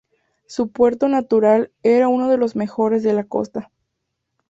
Su puerto natural era uno de los mejores de la costa.